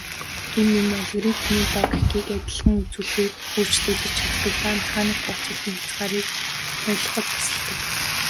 Энэ нь алгоритмын логикийг адилхан үзүүлэхээр өөрчлөгдөж чаддаг ба механик тооцооллын хязгаарыг ойлгоход тусалдаг.